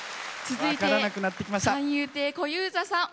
続いて三遊亭小遊三さん